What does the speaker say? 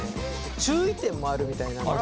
注意点もあるみたいなんで。